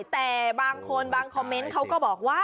แต่บางคนบางคอมเมนต์เขาก็บอกว่า